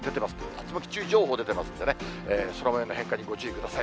竜巻注意情報出てますんでね、空もようの変化にご注意ください。